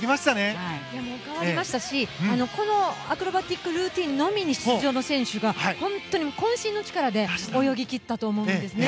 変わりましたしこのアクロバティックルーティンのみに出場の選手が渾身の力で泳ぎ切ったと思うんですね。